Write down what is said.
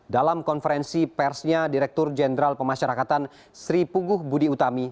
dalam konferensi persnya direktur jenderal pemasyarakatan sri puguh budi utami